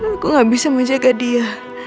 aku gak bisa menjaga dia